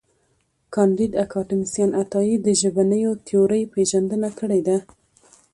کانديد اکاډميسن عطایي د ژبنیو تیورۍ پېژندنه کړې ده.